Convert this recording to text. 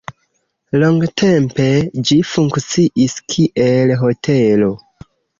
Longtempe ĝi funkciis kiel hotelo.